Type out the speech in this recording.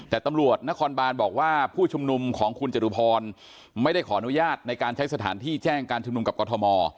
แต่ตำรวจนครบานบอกว่าผู้ชุมนุมของคุณจตุพรไม่ได้ขออนุญาตในการใช้สถานที่แจ้งการชุมนุมกับกรทม